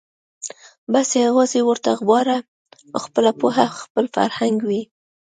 بس یوازي ورته غوره خپله پوهه خپل فرهنګ وي